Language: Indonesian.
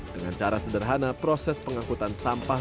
dengan cara sederhana proses pengangkutan sampah